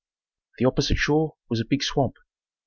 The opposite shore was a big swamp.